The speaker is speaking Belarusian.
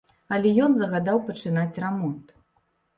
Але ён загадаў пачынаць рамонт.